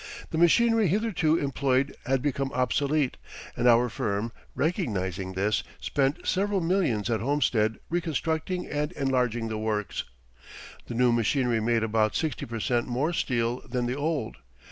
The machinery hitherto employed had become obsolete, and our firm, recognizing this, spent several millions at Homestead reconstructing and enlarging the works. The new machinery made about sixty per cent more steel than the old.